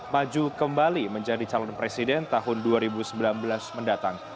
maju kembali menjadi calon presiden tahun dua ribu sembilan belas mendatang